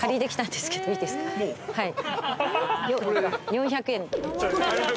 ４００円。